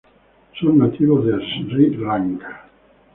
Son nativos de Sri Lanka.